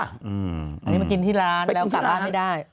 อันนี้มากินที่ร้านแล้วกลับบ้านไม่ได้